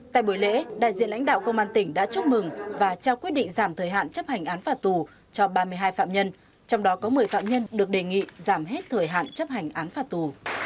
tại buổi lễ đại diện lãnh đạo công an tỉnh đã chúc mừng và trao quyết định giảm thời hạn chấp hành án phạt tù cho ba mươi hai phạm nhân trong đó có một mươi phạm nhân được đề nghị giảm hết thời hạn chấp hành án phạt tù